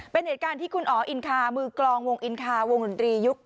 เป็นเหตุการณ์ที่คุณอ๋ออินคามือกลองวงอินคาวงดนตรียุค๙